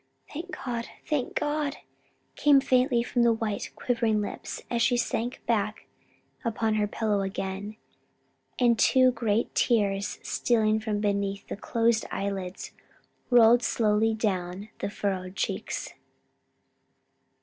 "Thank God! thank God!" came faintly from the white quivering lips, as she sank back upon her pillow again, and two great tears stealing from beneath the closed eyelids rolled slowly down the furrowed cheeks.